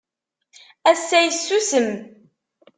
Ass-a yessusem.